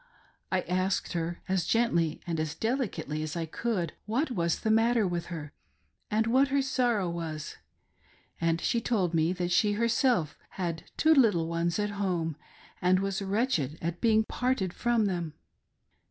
I asked her as gently and as delicately as I could what was the matter with her, and what her sorrow was, and she told me that she herself had two little ones at home and was wretched at being parted from them.